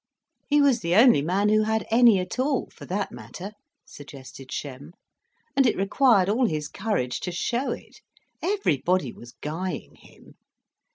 "He was the only man who had any at all, for that matter," suggested Shem, "and it required all his courage to show it. Everybody was guying him.